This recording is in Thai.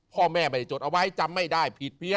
พ่อแม่ไม่ได้จดเอาไว้จำไม่ได้ผิดเพี้ย